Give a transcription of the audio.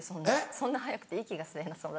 そんな速くて息が吸えなそう。